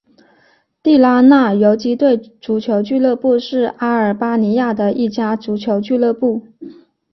地拉那游击队足球俱乐部是阿尔巴尼亚的一家足球俱乐部。